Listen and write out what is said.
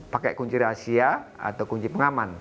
pakai kunci rahasia atau kunci pengaman